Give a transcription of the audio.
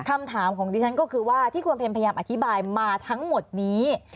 คำถามของดิฉันก็คือว่าที่คุณเพลพยายามอธิบายมาทั้งหมดนี้